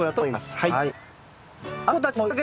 はい。